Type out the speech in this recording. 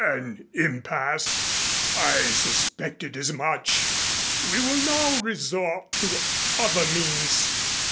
"An impasse! I suspected as much. We will now resort to other means.